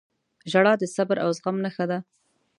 • ژړا د صبر او زغم نښه ده.